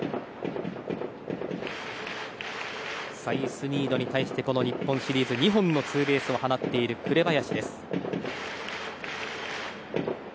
サイスニードに対して日本シリーズで２本のツーベースを放っている紅林。